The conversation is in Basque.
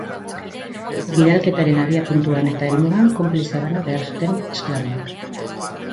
Bidalketaren abiapuntuan eta helmugan konplize bana behar zuen esklaboak.